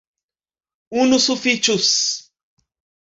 Unu sufiĉus.